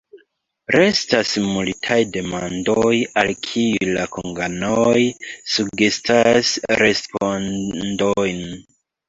Restas multaj demandoj, al kiuj la konganoj sugestas respondojn.